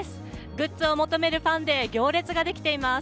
グッズを求めるファンで行列ができています。